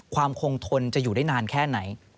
ความคงทนจะอยู่ได้นานแค่ไหน